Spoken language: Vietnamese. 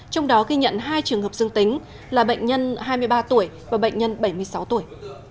trong đó ghi nhận hai trường hợp dương tính là bệnh nhân hai mươi ba tuổi và bệnh nhân bảy mươi sáu tuổi